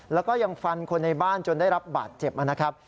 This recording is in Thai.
แล้วก็ยังฟันคนในบ้านจนได้รับบาดเจ็บนะครับ